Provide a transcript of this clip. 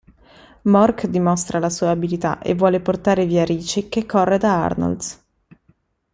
Mork dimostra la sua abilità e vuole portare via Richie che corre da Arnold's.